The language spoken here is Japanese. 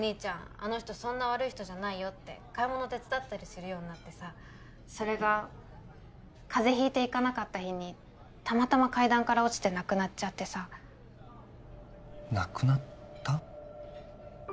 あの人そんな悪い人じゃないよって買い物手伝ったりするようになってさそれが風邪ひいて行かなかった日にたまたま階段から落ちて亡くなっちゃってさ亡くなった？